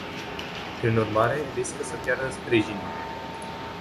Prin urmare, riscă să piardă sprijinul.